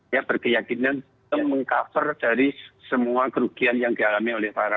ya berkeyakinan meng cover dari semua kerugian yang dialami oleh para